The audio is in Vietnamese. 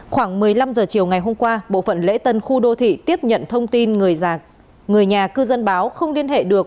khoảng một mươi năm h chiều ngày hôm qua bộ phận lễ tân khu đô thị tiếp nhận thông tin người nhà cư dân báo không liên hệ được